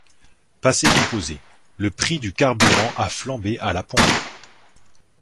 Passé composé: Le prix du carburant a flambé à la pompe.